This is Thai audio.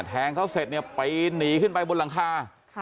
แทงเขาเสร็จเนี่ยปีนหนีขึ้นไปบนหลังคา